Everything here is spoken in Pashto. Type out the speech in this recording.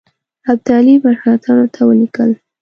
ابدالي مرهټیانو ته ولیکل.